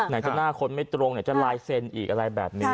ไหนจะหน้าคนไม่ตรงไหนจะลายเซ็นอีกอะไรแบบนี้